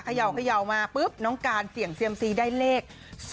เขย่ามาปุ๊บน้องการเสี่ยงเซียมซีได้เลข